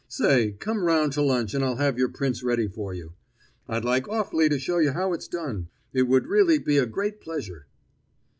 Say, come round to lunch and I'll have your prints ready for you. I'd like awfully to show you how it's done. It would really be a great pleasure."